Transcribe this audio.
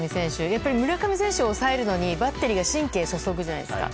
やっぱり村上選手を抑えるのにバッテリーが神経を注ぐじゃないですか。